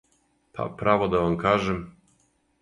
Па, право да вам кажем.